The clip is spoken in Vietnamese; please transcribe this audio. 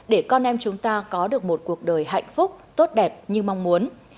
để con em chúng ta có được một cuộc đời hạnh phúc tốt đẹp như mong muốn